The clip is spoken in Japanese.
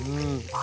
あ。